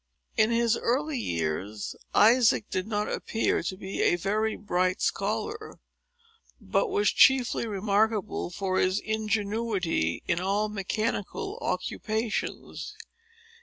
In his early years, Isaac did not appear to be a very bright scholar, but was chiefly remarkable for his ingenuity in all mechanical occupations.